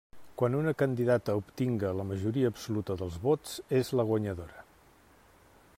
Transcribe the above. Quan una candidata obtinga la majoria absoluta dels vots és la guanyadora.